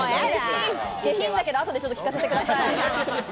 下品だけど、あとで聞かせてください。